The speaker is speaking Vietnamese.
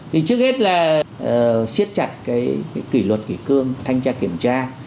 thì trước hết là siết chặt cái kỷ luật kỷ cương thanh tra kiểm tra